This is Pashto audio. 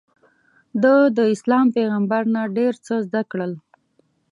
ده داسلام پیغمبر نه ډېر څه زده کړل.